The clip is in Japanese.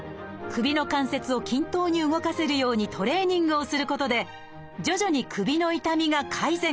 首の関節を均等に動かせるようにトレーニングをすることで徐々に首の痛みが改善。